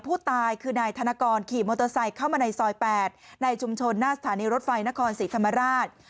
ผู้ตายคือนายธนกรขี่มอเตอร์ไซค์เข้ามาในซอย๘ในชุมชนหน้าสถานีรถไฟนครศรีธรรมราช